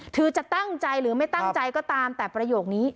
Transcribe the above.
ถึงจะตั้งใจหรือไม่ตั้งใจก็ตามแต่ประโยคนี้